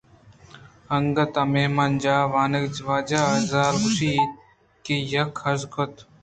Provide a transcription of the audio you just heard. اناگتءَ مہمان جاہ ءِ واجہ ءِ زال گوٛش اِت کہ یکے ءَ ہُژار کُت